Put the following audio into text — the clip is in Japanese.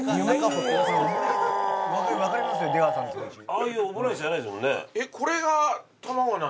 ああいうオムライスじゃないですもんね。